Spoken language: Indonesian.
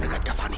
dia cuma berbunyi